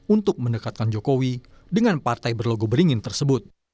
untuk mendekatkan jokowi dengan partai berlogo beringin tersebut